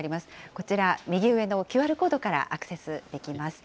こちら右上のＱＲコードからアクセスできます。